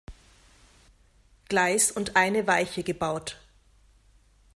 Gleis und eine Weiche gebaut.